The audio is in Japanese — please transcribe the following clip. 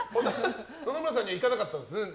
野々村さんにはいかなかったんですね。